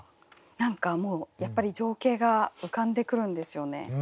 何かもうやっぱり情景が浮かんでくるんですよね。